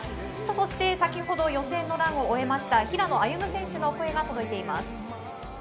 先ほど予選のランを終えました平野歩夢選手の声が届いています。